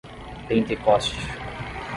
Pentecoste